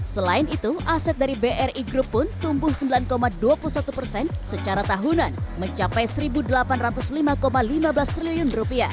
selain itu aset dari bri group pun tumbuh rp sembilan dua puluh satu persen secara tahunan mencapai rp satu delapan ratus lima lima belas triliun